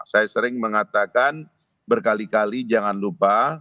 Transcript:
saya sering mengatakan berkali kali jangan lupa